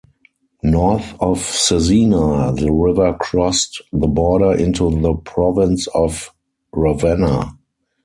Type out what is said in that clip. North of Cesena, the river crossed the border into the province of Ravenna.